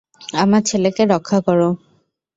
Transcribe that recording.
আমার ছেলেকে রক্ষা কর!